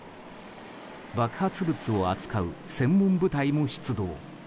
爆発物を扱う専門部隊も出動。